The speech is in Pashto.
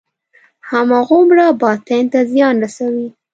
هماغومره باطن ته زیان رسوي.